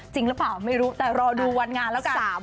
จริงหรือเปล่าไม่รู้แต่รอดูวันงานแล้วกัน